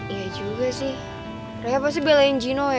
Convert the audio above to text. iya juga sih raya pasti belain gino ya